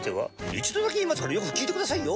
一度だけ言いますからよく聞いてくださいよ。